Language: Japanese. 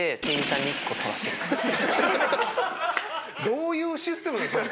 どういうシステムなの？